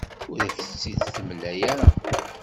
Ur ak-tt-id-temla ara.